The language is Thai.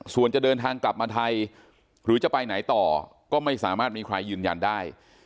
ส่วนจะเดินทางกลับมาไทยหรือจะไปไหนต่อก็ไม่สามารถมีใครยืนยันได้